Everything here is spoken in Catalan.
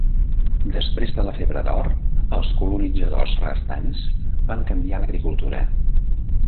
Després de la febre d'or, els colonitzadors restants van canviar a l'agricultura.